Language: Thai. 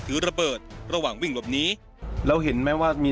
ถือระเบิดระหว่างวิ่งหลบหนี